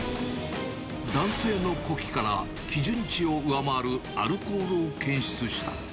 男性の呼気から、基準値を上回るアルコールを検出した。